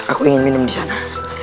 aku ingin minum disana